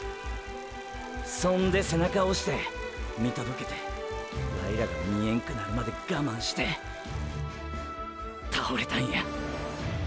そんで背中押して見届けてワイらが見えんくなるまでガマンして倒れたんや。